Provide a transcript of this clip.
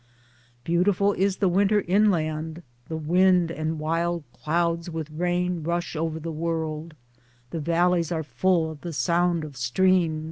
Beautiful is the winter inland ; the wind and wild clouds with rain rush over the world; the valleys are full of the sound of streams.